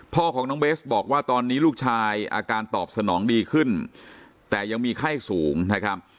พ่อของน้องเบสบอกว่าตอนนี้ลูกชายอาการตอบสนองดีขึ้นแต่ยังมีไข้สูงนะครับ